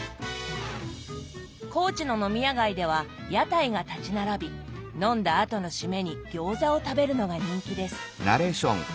高知の飲み屋街では屋台が立ち並び飲んだ後の締めに餃子を食べるのが人気です。